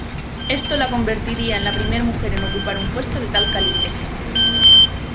Esto la convertiría en la primera mujer en ocupar un puesto de tal calibre.